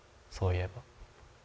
そういえば。